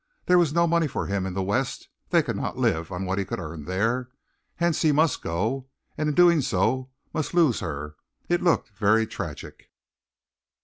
There was no money for him in the West; they could not live on what he could earn there. Hence he must go and in doing so must lose her. It looked very tragic.